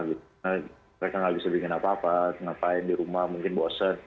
mereka nggak bisa bikin apa apa ngapain di rumah mungkin bosen